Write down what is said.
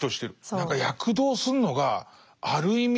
何か躍動するのがある意味